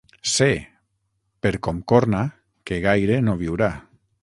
Sé, per com corna, que gaire no viurà.